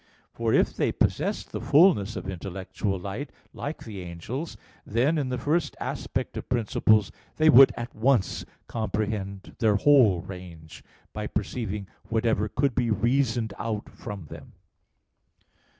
For if they possessed the fulness of intellectual light, like the angels, then in the first aspect of principles they would at once comprehend their whole range, by perceiving whatever could be reasoned out from them.